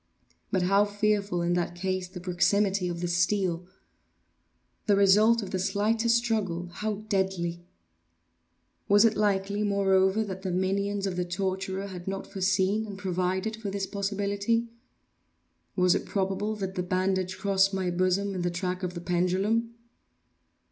But how fearful, in that case, the proximity of the steel! The result of the slightest struggle how deadly! Was it likely, moreover, that the minions of the torturer had not foreseen and provided for this possibility? Was it probable that the bandage crossed my bosom in the track of the pendulum?